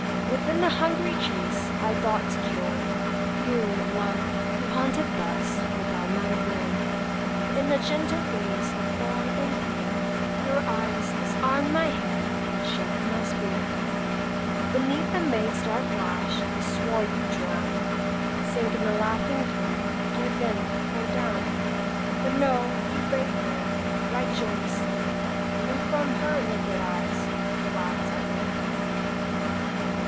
Within the hungry chase I thought to kill You, love, who haunted thus Without my will, But in the gentle gaze Of fawn and deer, Your eyes disarmed my hand, And shook my spear. Beneath a maid's dark lash I swore you'd drown, Sink in the laughing blue— Give in, go down: But no! you bathèd there Right joyously, And from her liquid eyes You laughed at me.